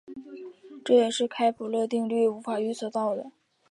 这也是开普勒定律无法预测到的。